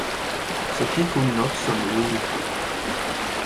og så gik hun nok så modig.